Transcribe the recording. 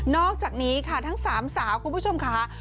อกจากนี้ค่ะทั้ง๓สาวคุณผู้ชมค่ะ